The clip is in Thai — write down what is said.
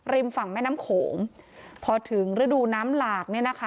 ฝั่งแม่น้ำโขงพอถึงฤดูน้ำหลากเนี่ยนะคะ